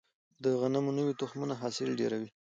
د غنمو نوي تخمونه حاصل ډیروي.